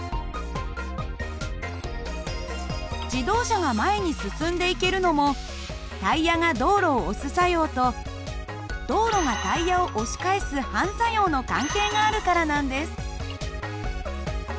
自動車が前に進んでいけるのもタイヤが道路を押す作用と道路がタイヤを押し返す反作用の関係があるからなんです。